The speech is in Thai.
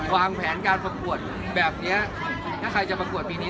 วางแผนการประกวดแบบนี้ถ้าใครจะประกวดปีนี้